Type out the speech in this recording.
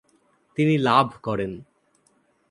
তিনি লাভ করেন।